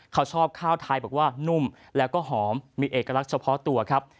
เขาชอบข้าวไทยบอกว่านุ่มแล้วก็หอมมีเอกลักษณ์เฉพาะตัวครับ